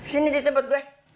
sini ditempat gue